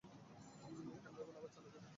ক্যামেরাগুলো আবার চালু করো।